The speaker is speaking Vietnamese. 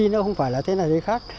nó không phải là thế này thế khác